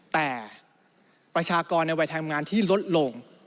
แต่ประชากรในวัยทำงานที่ลดลง